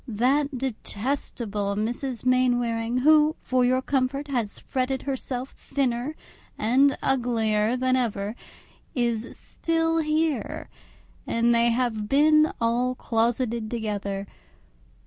That detestable Mrs. Mainwaring, who, for your comfort, has fretted herself thinner and uglier than ever, is still here, and they have been all closeted together.